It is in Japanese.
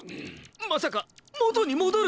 まさか元に戻る？